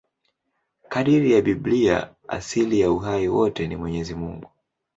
Kadiri ya Biblia, asili ya uhai wote ni Mwenyezi Mungu.